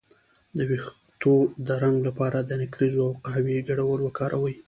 د ویښتو د رنګ لپاره د نکریزو او قهوې ګډول وکاروئ